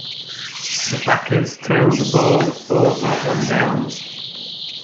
The Packers turned the ball over on downs.